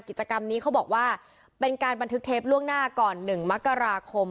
กิจกรรมนี้เขาบอกว่าเป็นการบันทึกเทปล่วงหน้าก่อน๑มกราคม